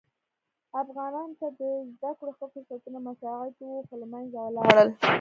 افغانانو ته د زده کړو ښه فرصتونه مساعد وه خو له منځه ولاړل.